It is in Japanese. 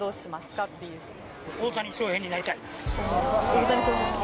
大谷翔平さん？